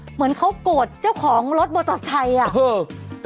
เหมือนเขาโกรธเจ้าของรถมอเตอร์ไซค์อ่ะ